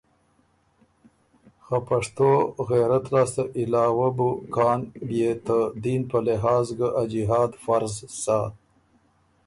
که پشتو غېرت لاسته علاوۀ بو کان بيې ته دین په لحاظ ګۀ ا جهاد فرض سَۀ۔